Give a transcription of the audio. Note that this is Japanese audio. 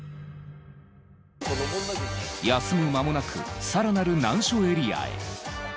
休む間もなく更なる難所エリアへ。